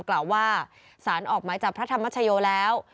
กล่าวว่าสารออกหมายจับพระธรรมชโยแล้ว